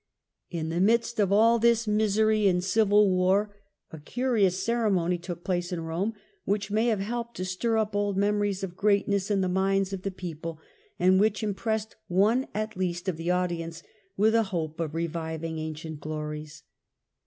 In the midst of all this misery and civil war, a curious ceremony took place in Eome, which may have helped to stir up old memo ries of greatness in the minds of the people, and which impressed one at least of the audience with a hope of re viving ancient glories.